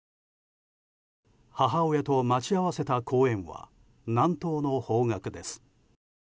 母親と待ち合わせた公園は南東の方角です。